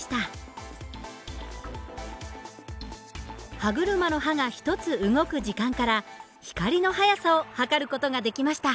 歯車の歯がひとつ動く時間から光の速さを測る事ができました。